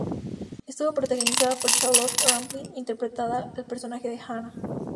Estuvo protagonizada por Charlotte Rampling interpretando el personaje de Hannah.